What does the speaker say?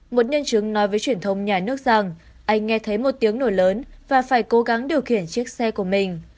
một nhân chứng nói với truyền thông nhà nước rằng anh nghe thấy một tiếng nổ lớn và phải cố gắng điều khiển chiếc xe của mình